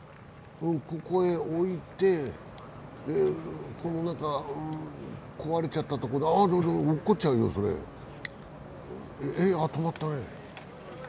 ここへ置いてなんか壊れちゃったところあ落っこちちゃうよ、あ、止まったね。